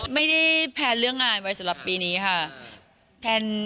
ไม่ได้แพนเรื่องงานไปสำหรับปีนี้ค่ะ